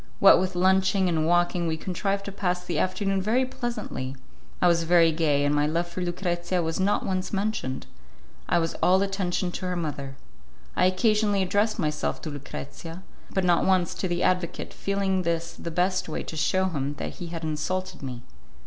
What with lunching and walking we contrived to pass the afternoon very pleasantly; I was very gay, and my love for Lucrezia was not once mentioned; I was all attention to her mother. I occasionally addressed myself to Lucrezia, but not once to the advocate, feeling this the best way to shew him that he had insulted me.